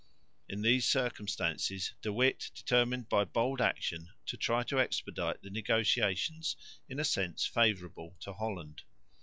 In these circumstances De Witt determined by bold action to try to expedite the negotiations in a sense favourable to Holland.